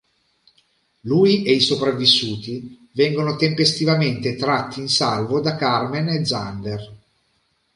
Lui e i sopravvissuti vengono tempestivamente tratti in salvo da Carmen e Zander.